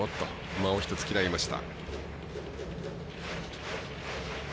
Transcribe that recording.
間を１つ嫌いました。